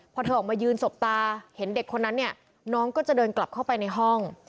พอเธอออกมายืนสบตาเห็นเด็กคนนั้นเนี่ยน้องก็จะเดินกลับเข้าไปในห้อง